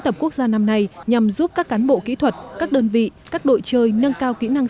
tập quốc gia năm nay nhằm giúp các cán bộ kỹ thuật các đơn vị các đội chơi nâng cao kỹ năng